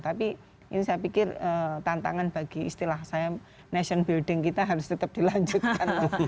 tapi ini saya pikir tantangan bagi istilah saya nation building kita harus tetap dilanjutkan